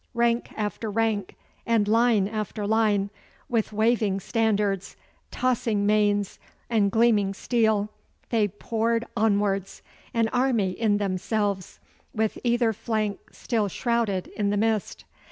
Rank after rank, and line after line, with waving standards, tossing manes, and gleaming steel, they poured onwards, an army in themselves, with either flank still shrouded in the mist.